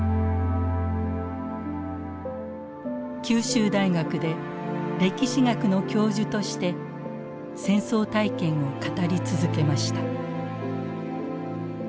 九州大学で歴史学の教授として戦争体験を語り続けました。